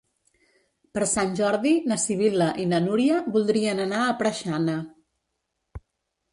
Per Sant Jordi na Sibil·la i na Núria voldrien anar a Preixana.